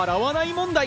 問題。